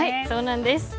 そうなんです。